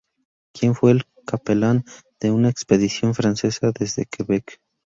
Quien fue el capellán de una expedición francesa desde Quebec.